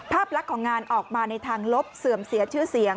ภาพลักษณ์ของงานออกมาในทางลบเสื่อมเสียชื่อเสียง